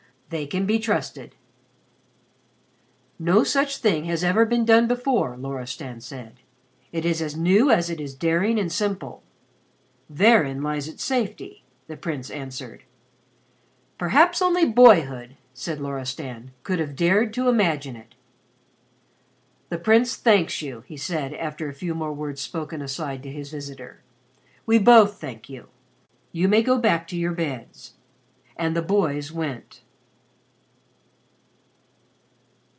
They can be trusted." "No such thing has ever been done before," Loristan said. "It is as new as it is daring and simple." "Therein lies its safety," the Prince answered. "Perhaps only boyhood," said Loristan, "could have dared to imagine it." "The Prince thanks you," he said after a few more words spoken aside to his visitor. "We both thank you. You may go back to your beds." And the boys went.